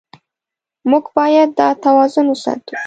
موږ باید دا توازن وساتو.